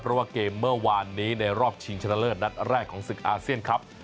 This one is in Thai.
เพราะว่าเกมเมื่อวานนี้ในรอบชิงชนะเลิศนัดแรกของศึกอาเซียนครับ